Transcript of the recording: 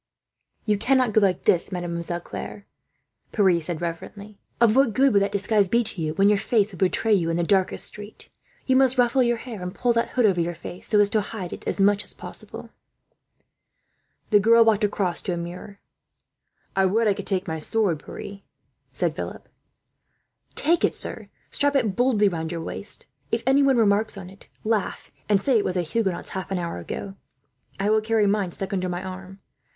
"You cannot go like this, Mademoiselle Claire," Pierre said reverently. "Of what good would that disguise be to you, when your face would betray you in the darkest street? You must ruffle your hair, and pull that hood over your face, so as to hide it as much as possible." The girl walked across to a mirror. [Illustration: Philip, Claire and Pierre disguise themselves.] "I would I could take my sword, Pierre," said Philip. "Take it, sir. Strap it boldly round your waist. If anyone remarks on it, laugh, and say it was a Huguenot's half an hour ago. I will carry mine stuck under my arm.